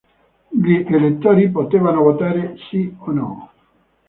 Gli elettori potevano votare "Sì" o "No".